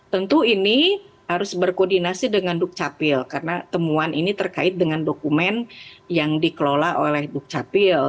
tentu ini harus berkoordinasi dengan duk capil karena temuan ini terkait dengan dokumen yang dikelola oleh duk capil